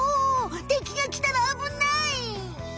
てきがきたらあぶない！